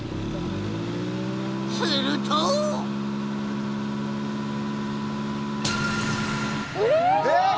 するとえっ！？